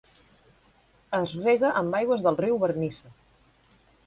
Es rega amb aigües del riu Vernissa.